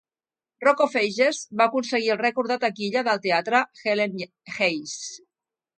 "Rock of Ages" va aconseguir el rècord de taquilla del teatre Helen Hayes.